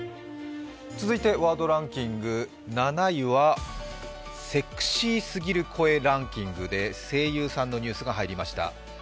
続いてワードランキングの７位はセクシーすぎる声ランキングで声優さんのニュースが入りました。